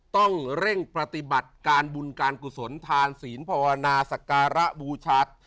ต้องเร่งปฏิบัติการบุญการกุศลทานศีลภาวนาศักระบูชา